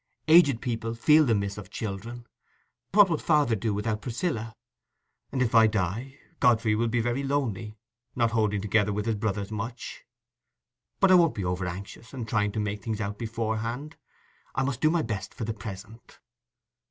Aged people feel the miss of children: what would father do without Priscilla? And if I die, Godfrey will be very lonely—not holding together with his brothers much. But I won't be over anxious, and trying to make things out beforehand: I must do my best for the present."